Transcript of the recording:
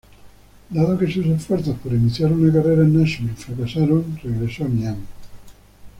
Dado que sus esfuerzos por iniciar una carrera en Nashville fracasaron, regresó a Miami.